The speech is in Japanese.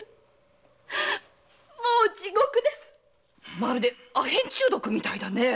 あるで阿片中毒みたいだねえ。